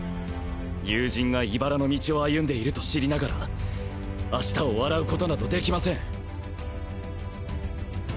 友人が茨の道を歩んでいると知りながら明日を笑うことなどできません。